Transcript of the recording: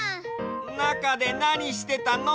なかでなにしてたの？